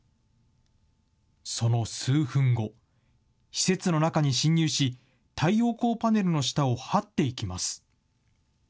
その数分後、施設の中に侵入し、太陽光パネルの下をはっていきます。